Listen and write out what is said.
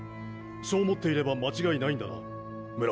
そう思っていれば間違いないんだな村長。